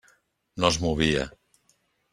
No es movia.